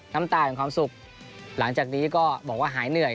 น้ำตาแห่งความสุขหลังจากนี้ก็บอกว่าหายเหนื่อย